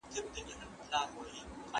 که موږ لولي نو پرمختګ کوو.